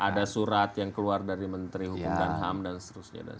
ada surat yang keluar dari menteri hukum dan ham dan seterusnya